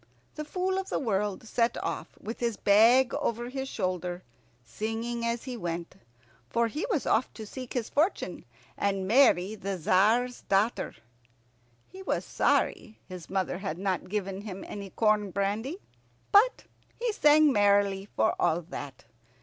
The Fool of the World set off with his bag over his shoulder, singing as he went, for he was off to seek his fortune and marry the Tzar's daughter. He was sorry his mother had not given him any corn brandy; but he sang merrily for all that.